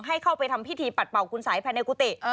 ให้เข้าไปทำพิธีปัดเป่าคุณสายภายในกุฏิ